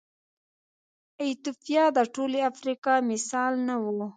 ایتوپیا د ټولې افریقا مثال نه و.